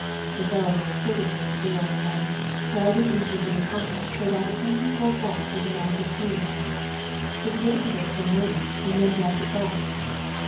"The fellow looked furtively at the door and then, diving into an inner pocket, pulled out a handsome gold watch with a massive chain attached, exhibited it for a moment and then dropped it back.